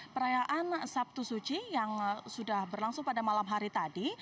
perayaan sabtu suci yang sudah berlangsung pada malam hari tadi